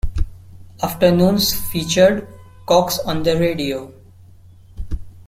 Afternoons featured "Cox on the Radio".